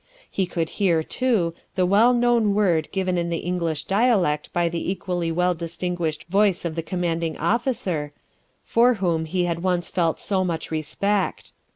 He could hear, too, the well known word given in the English dialect by the equally well distinguished voice of the commanding officer, for whom he had once felt so much respect.